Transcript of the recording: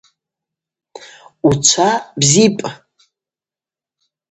Учва бзипӏ!